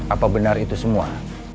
apa benar itu semua